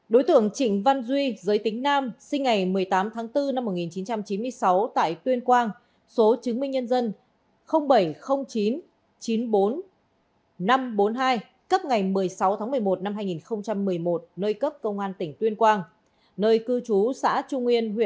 hai đối tượng trịnh văn duy giới tính nam sinh ngày một mươi tám tháng bốn năm một nghìn chín trăm tám mươi bảy